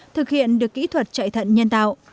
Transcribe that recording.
thực hiện được kỹ thuật chạy thận nhân tạo